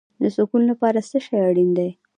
د سکون لپاره څه شی اړین دی؟